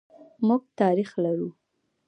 موږ تاریخ لرو.